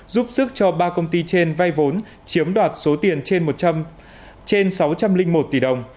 giúp sức cho ba công ty trên vay vốn chiếm đoạt số tiền trên sáu trăm linh một tỷ đồng